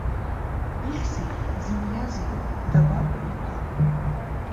Ихьзеи, дзыниазеи, дабаҟоу иԥа?